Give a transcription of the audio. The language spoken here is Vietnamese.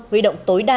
huy động tối đa